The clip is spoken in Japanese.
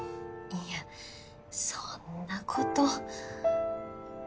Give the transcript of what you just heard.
いやそんなこと。